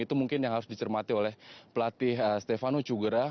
itu mungkin yang harus dicermati oleh pelatih stefano cugera